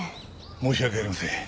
申し訳ありません。